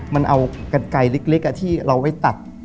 มันเอากันไกลเล็กที่เราไว้ตัด